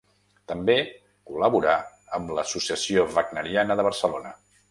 També col·laborà amb l'Associació Wagneriana de Barcelona.